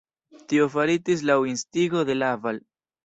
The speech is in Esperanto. Tio faritis laŭ instigo de Laval.